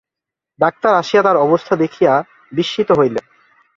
Doctor আসিয়া তার অবস্থা দেখিয়া বিস্মিত হইলেন।